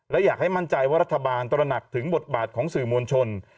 และอยากให้มั่นใจว่ารัฐบาลตระหนักถึงบทบาทของสื่อมวลชน